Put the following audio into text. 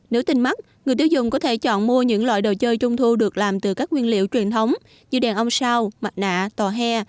nếu tin mắt người tiêu dùng có thể chọn mua những loại đồ chơi trung thu được làm từ các nguyên liệu truyền thống như đèn ông sao mặt nạ tòa hè